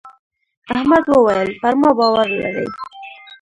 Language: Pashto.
احمد وويل: پر ما باور لرې.